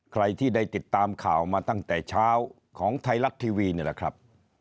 ใครที่ได้ติดตามข่าวมาตั้งแต่เช้าของไทยรัฐทีวีนี่แหละครับ